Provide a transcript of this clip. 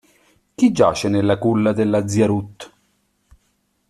Chi giace nella culla della zia Ruth?